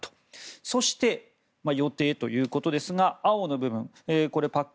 そして、予定ということですが青の部分、ＰＡＣ